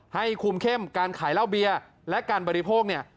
ให้คุมเข้มการขายเหล้าเบียร์และการบริโภคเนี่ย